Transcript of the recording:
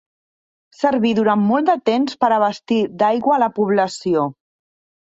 Serví durant molt de temps per abastir d'aigua a la població.